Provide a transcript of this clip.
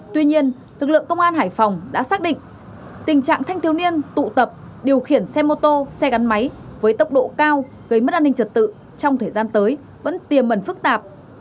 tuy nhiên lực lượng công an hải phòng đã xác định tình trạng thanh thiếu niên tụ tập điều khiển xe mô tô xe gắn máy với tốc độ cao gây mất an ninh trật tự trong thời gian tới vẫn tiềm mẩn phức tạp